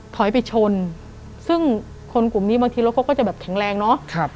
ถอยไปชนซึ่งคนกลุ่มนี้บางทีรถเขาก็จะแบบแข็งแรงเนาะ